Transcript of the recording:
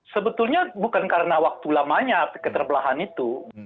sebetulnya bukan karena waktu lamanya keterbelahan itu